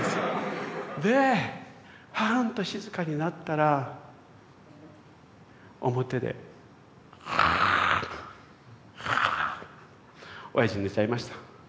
でパーンと静かになったら表でガーッガーッ。おやじ寝ちゃいました。